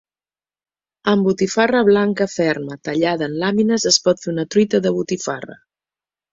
Amb botifarra blanca ferma tallada en làmines es pot fer una truita de botifarra.